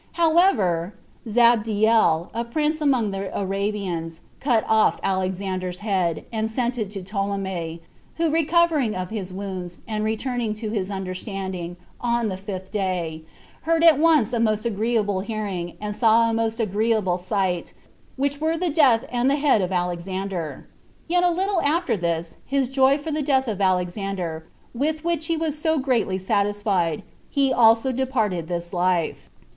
However, Zabdiel, a prince among the Arabians, cut off Alexander's head, and sent it to Ptolemy, who recovering of his wounds, and returning to his understanding, on the fifth day, heard at once a most agreeable hearing, and saw a most agreeable sight, which were the death and the head of Alexander; yet a little after this his joy for the death of Alexander, with which he was so greatly satisfied, he also departed this life.